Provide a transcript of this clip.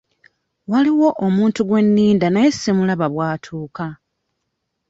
Waliwo omuntu gwe nninda naye siraba bw'atuuka.